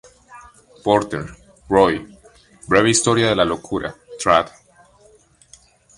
Porter, Roy, "Breve historia de la locura, trad.